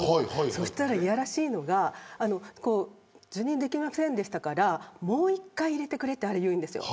そうしたら、いやらしいのが受任できませんでしたからもう１回入れてくれと言うんですよ。